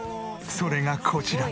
それがこちら！